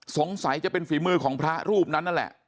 สงสัยจะเป็นฝีมือของพระรูปนั้นนั่นแหละ